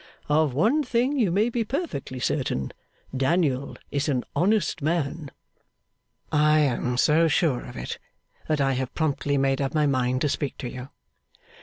Of one thing you may be perfectly certain. Daniel is an honest man.' 'I am so sure of it that I have promptly made up my mind to speak to you.